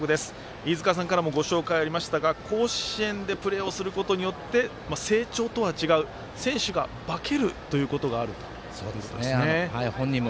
飯塚さんからもご紹介がありましたが甲子園でプレーをすることによって成長とは違う選手が化けることがあるということですね。